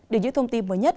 để giữ thông tin mới nhất